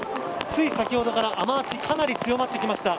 つい先ほどから雨脚がかなり強まってきました。